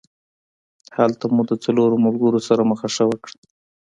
هلته مو د څلورو ملګرو سره مخه ښه وکړه.